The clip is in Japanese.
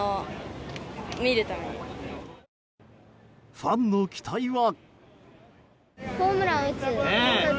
ファンの期待は。